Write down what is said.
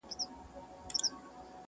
معشوقې په بې صبري کي کله چا میندلي دینه،